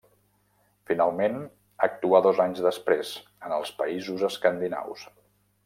Finalment actuà dos anys després, en els països escandinaus.